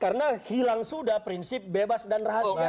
karena hilang sudah prinsip bebas dan rahasia